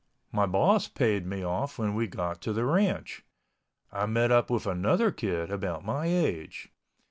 My boss paid me off when we got to the ranch. I met up with another kid about my age.